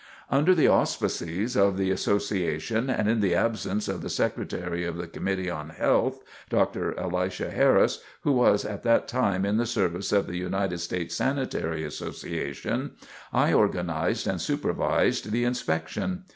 Under the auspices of the Association, and in the absence of the secretary of the Committee on Health, Dr. Elisha Harris, who was at that time in the service of the United States Sanitary Association, I organized and supervised the inspection.